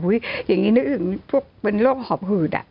อุ้ยอย่างนี้นึกถึงพวกมันโรคหอบหืดอ่ะ